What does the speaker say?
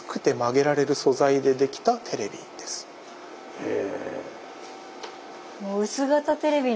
へえ。